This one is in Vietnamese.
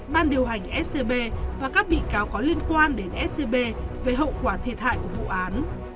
ban điều hành scb và các bị cáo có liên quan đến scb về hậu quả thiệt hại của vụ án